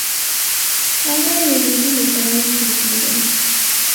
هغه یوې هیلې ته راوټوکېده.